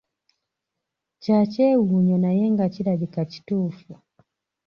Kya kyewunyo naye nga kirabika kituufu.